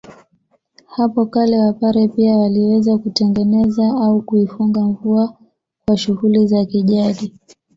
Hapo kale wapare pia waliweza kutengeneza au kuifunga mvua kwa shughuli za kijadi